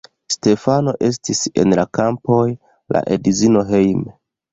Stefano estis en la kampoj, la edzino hejme.